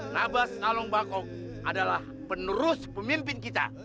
nabas lalung bakok adalah penerus pemimpin kita